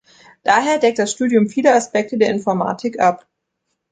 Daher deckt das Studium viele Aspekte der Informatik ab.